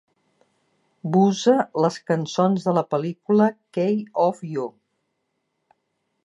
Busa les cançons de la pel·lícula "Key of you.